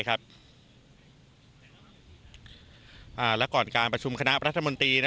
และก่อนการประชุมคณะรัฐมนตรี